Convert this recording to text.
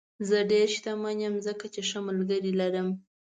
زه ډېر شتمن یم ځکه چې ښه ملګري لرم.